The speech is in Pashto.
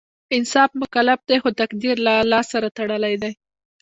انسان مکلف دی خو تقدیر له الله سره تړلی دی.